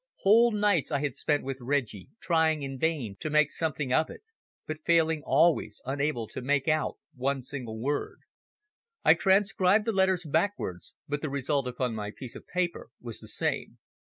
Whole nights I had spent with Reggie, trying in vain to make something of it, but failing always, unable to make out one single word. I transcribed the letters backwards, but the result upon my piece of paper was the same.